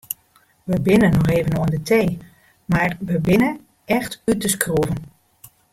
We binne noch even oan de tee mar we binne echt út de skroeven.